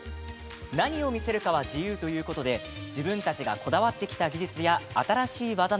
何を見せるかは自由ということで自分たちがこだわってきた技術や新しい技などを追求。